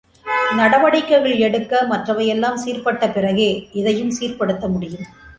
நடவடிக்கைகள் எடுக்க மற்றவை எல்லாம் சீர்பட்ட பிறகே இதையும் சீர்படுத்த முடியும்.